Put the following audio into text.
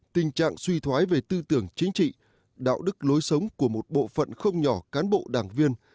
tình trạng suy thoái về tư tưởng chính trị đạo đức lối sống của một bộ phận không nhỏ cán bộ đảng viên